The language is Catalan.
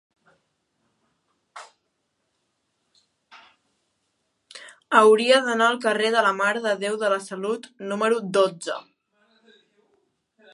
Hauria d'anar al carrer de la Mare de Déu de la Salut número dotze.